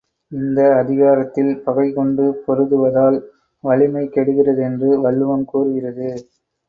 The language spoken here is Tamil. இந்த அதிகாரத்தில் பகை கொண்டு பொருதுவதால் வலிமை கெடுகிறது என்று வள்ளுவம் கூறுகிறது.